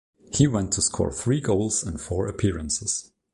He went on to score three goals in four appearances.